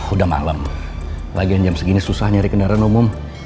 udah malam bagian jam segini susah nyari kendaraan umum